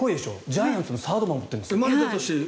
ジャイアンツのサード守ってるんですよ。